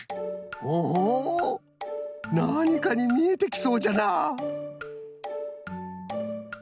ほほうなにかにみえてきそうじゃな。